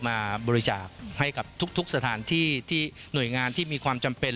มาบริจาคให้กับทุกสถานที่ที่หน่วยงานที่มีความจำเป็น